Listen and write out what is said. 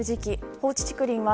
放置竹林は